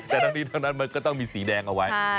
แต่ทั้งนี้ทั้งนั้นมันก็ต้องมีสีแดงเอาไว้